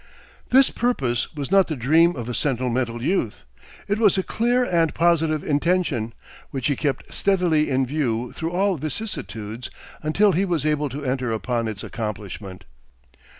This purpose was not the dream of a sentimental youth. It was a clear and positive intention, which he kept steadily in view through all vicissitudes until he was able to enter upon its accomplishment.